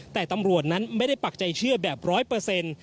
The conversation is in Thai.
แต่ตำรวจนั้นไม่ได้ปักใจเชื่อแบบร้อยเปอร์เซ็นต์